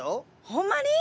ほんまに？